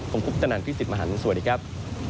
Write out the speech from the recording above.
ผมคุปตนันพี่สิทธิ์มหันฯสวัสดีครับ